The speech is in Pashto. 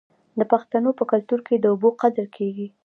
د پښتنو په کلتور کې د اوبو قدر کیږي.